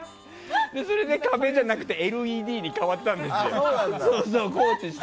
それで壁じゃなくてＬＥＤに変わったんですよ。